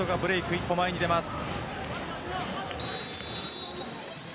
一歩前に出ます。